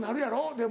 でも。